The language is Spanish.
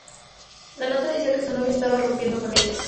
La nota decía que su novio estaba rompiendo con ella.